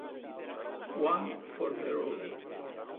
One for the Road